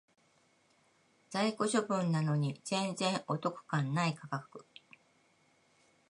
在庫処分なのに全然お得感ない価格